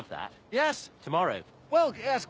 よし。